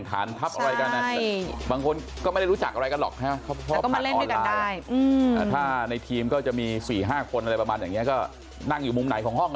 เค้าบอกว่าว่าเขาก็แข่งเสร็จไปแล้ววันนึง